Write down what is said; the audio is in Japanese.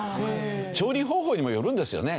調理方法にもよるんですよね。